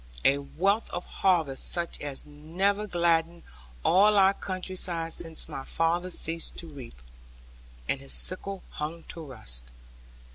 A wealth of harvest such as never gladdened all our country side since my father ceased to reap, and his sickle hung to rust.